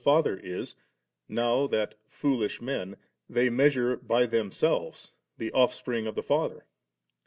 Father is, now that, foolish men, they measure by themselves the Oflfspring of the Father.